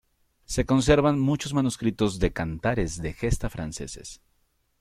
Se conservan muchos manuscritos de cantares de gesta franceses.